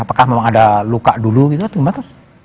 apakah memang ada luka dulu gitu atau mbak terus